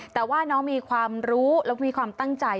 แต่ว่าน้องมีความรู้และมีความตั้งใจ